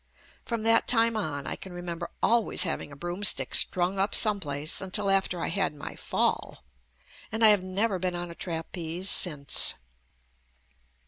From that time on I can remember always having a broomstick strung up some place until after I had my fall, and I have never been on a trapeze since.